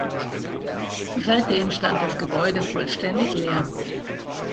Seitdem stand das Gebäude vollständig leer.